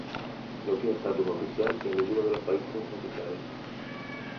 No tiene estatus oficial en ninguno de los países en que se habla.